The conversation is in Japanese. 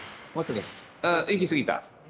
ああ行き過ぎた。